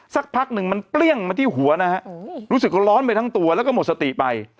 สักพักหนึ่งมันเปรี้ยงมาที่หัวนะฮะรู้สึกร้อนไปทั้งตัวแล้วก็หมดสติไป